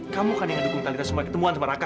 kamu kan yang dukung talitha sembah ketemuan sama raka